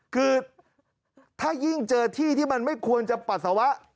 คือถ้ายิ่งเจอที่ที่มันไม่ควรจะปัสสาวะ